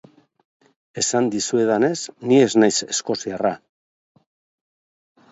Esan dizuedanez, ni ez naiz eskoziarra.